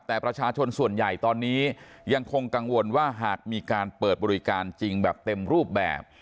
แต่ประชาชนส่วนใหญ่ตอนนี้ยังคงกังวลว่าหากมีการเปิดบริการจริงแบบเต็มรูปแบบ